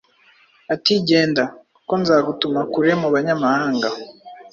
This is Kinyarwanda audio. ati, “Genda, kuko nzagutuma kure mu banyamahanga.